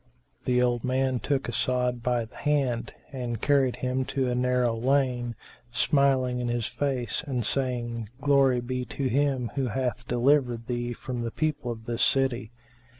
The old man took As'ad by the hand and carried him to a narrow lane, smiling in his face and saying, "Glory be to Him who hath delivered thee from the people of this city!"